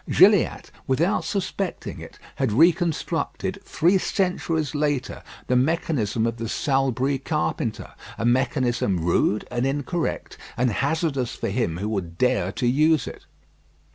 Gilliatt, without suspecting it, had reconstructed, three centuries later, the mechanism of the Salbris carpenter a mechanism rude and incorrect, and hazardous for him who would dare to use it.